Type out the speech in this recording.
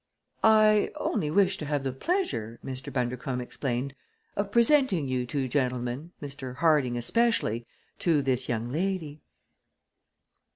"I only wished to have the pleasure," Mr. Bundercombe explained, "of presenting you two gentlemen Mr. Harding especially to this young lady."